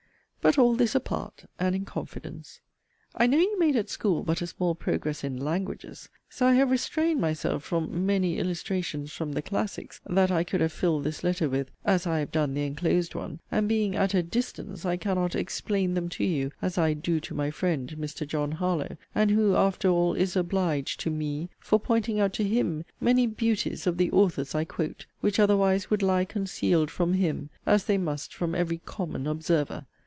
But, all this 'apart,' and 'in confidence.' I know you made at school but a small progress in 'languages.' So I have restrained myself from 'many illustrations' from the 'classics,' that I could have filled this letter with, (as I have done the enclosed one:) and, being at a 'distance,' I cannot 'explain' them to you, as I 'do to my friend,' Mr. John Harlowe; and who, (after all,) is obliged to 'me' for pointing out to 'him' many 'beauties' of the 'authors I quote,' which otherwise would lie concealed from 'him,' as they must from every 'common observer.'